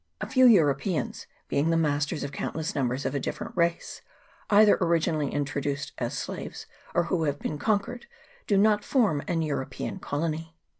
A few Europeans, being the masters of countless numbers of a different rate, either origin ally introduced as slaves or who have been con quered, do not form an European colony.